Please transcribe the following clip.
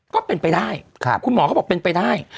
ก็เป็นไปได้คุณหมอเขาบอกเป็นไปได้